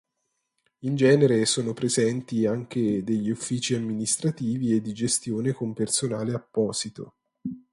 In genere sono presenti anche degli uffici amministrativi e di gestione con personale apposito.